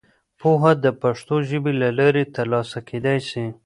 پوهه د پښتو ژبې له لارې ترلاسه کېدای سي.